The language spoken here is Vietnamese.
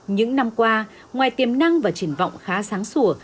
những năm qua ngoài tiềm năng và triển vọng khá sáng sủa